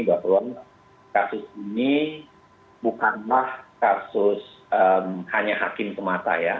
bahwa kasus ini bukanlah kasus hanya hakim semata ya